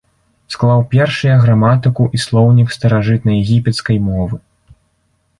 Склаў першыя граматыку і слоўнік старажытнаегіпецкай мовы.